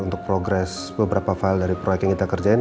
untuk progres beberapa file dari proyek yang kita kerjain